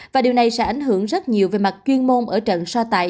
và điều này sẽ ảnh hưởng rất nhiều về mặt chuyên môn ở trận so tài